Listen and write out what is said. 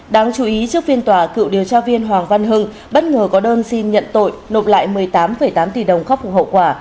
đáng chú ý trước phiên tòa cựu điều tra viên hoàng văn hưng bất ngờ có đơn xin nhận tội nộp lại một mươi tám tám tỷ đồng khóc phục hậu quả